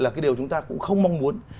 là cái điều chúng ta cũng không mong muốn